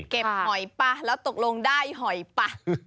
เก็บหอยปะแล้วตกลงได้หอยปะ